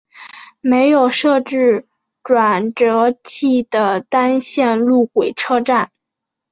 没有设置转辙器的单线路轨车站。